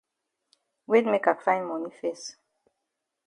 Wait make I find moni fes.